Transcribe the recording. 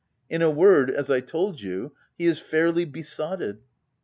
In a word, as I told you, he is fairly besotted.